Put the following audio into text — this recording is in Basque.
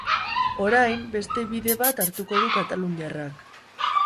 Orain, beste bide bt hartuko du kataluniarrak.